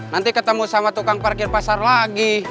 nanti ketemu sama tukang parkir pasar lagi